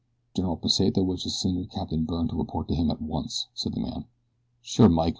"General Pesita wishes Senor Capitan Byrne to report to him at once," said the man. "Sure Mike!"